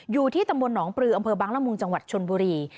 อยู่ที่ตำบลหนองปลืออำเภอบังละมุงจังหวัดชนบุรี